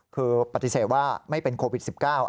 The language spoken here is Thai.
คือปฏิเสธว่าไม่เป็นโควิด๑๙